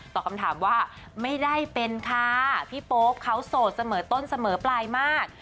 ตอบคำถามว่าไม่ได้เป็นค่ะพี่โป๊ปเขาโสดเสมอต้นเสมอปลายมาก